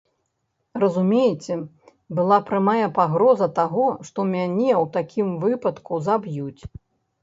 Разумееце, была прамая пагроза таго, што мяне ў такім выпадку заб'юць.